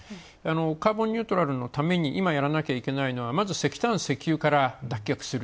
カーボンニュートラルのために今やらなければいけないのはまず石炭、石油から脱却する。